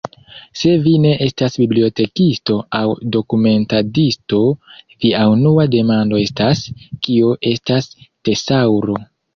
Se vi ne estas bibliotekisto aŭ dokumentadisto, via unua demando estas, kio estas tesaŭro.